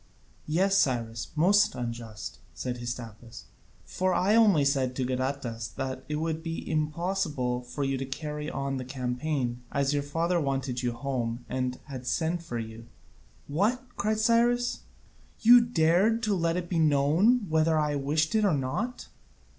"Yes, Cyrus, most unjust," said Hystaspas, "for I only said to Gadatas that it would be impossible for you to carry on the campaign, as your father wanted you home, and had sent for you." "What?" cried Cyrus, "you dared to let that be known whether I wished it or not?"